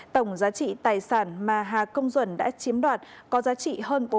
tổng giá trị tài sản mà hà công duẩn đã chiếm đoạt có giá trị hơn bốn tỷ